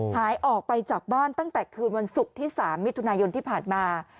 หายออกไปจากบ้านตั้งแต่คืนวันศุกร์ที่๓มิถุนายนที่ผ่านมา